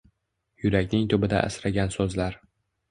Yurakning tubida asragan so’zlar